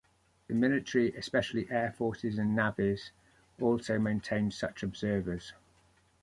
The military, especially air forces and navies, also maintains such observers.